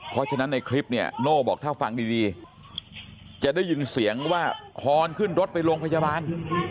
เพราะฉะนั้นในคลิปเนี่ยโน่บอกถ้าฟังดีจะได้ยินเสียงว่าฮอนขึ้นรถไปโรงพยาบาล